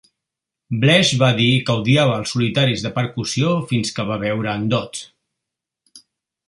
Blesh va dir que odiava els solitaris de percussió fins que va veure en Dodds.